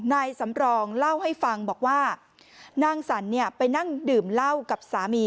นายสำรองเล่าให้ฟังบอกว่านางสรรเนี่ยไปนั่งดื่มเหล้ากับสามี